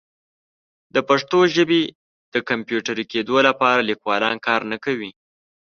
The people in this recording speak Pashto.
د پښتو ژبې د کمپیوټري کیدو لپاره لیکوالان کار نه کوي.